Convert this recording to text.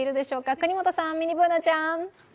國本さん、ミニＢｏｏｎａちゃん。